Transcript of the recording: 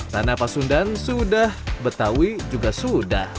tanah pasundan sudah betawi juga sudah